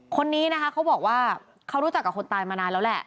คนนี้นะคะเขาบอกว่าเขารู้จักกับคนตายมานานแล้วแหละ